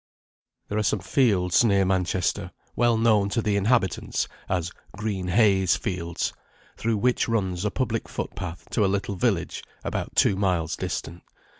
There are some fields near Manchester, well known to the inhabitants as "Green Heys Fields," through which runs a public footpath to a little village about two miles distant.